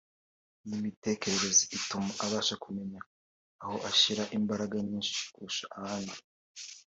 Iyi mitekerereze ituma abasha kumenya aho ashyira imbaraga nyinshi kurusha ahandi